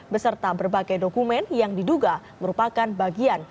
beserta berbagai dokumen yang diduga merupakan bagian